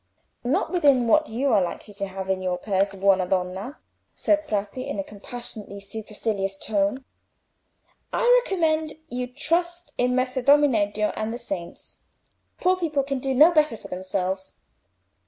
"Not within what you are likely to have in your purse, buona donna," said Bratti, in a compassionately supercilious tone. "I recommend you to trust in Messer Domeneddio and the saints: poor people can do no better for themselves."